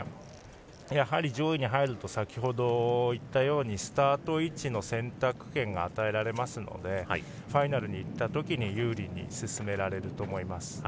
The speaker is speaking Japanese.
上位に入ると先ほど言ったようにスタート位置の選択権が与えられますのでファイナルに行ったときに有利に進められると思います。